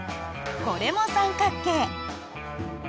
これも三角形。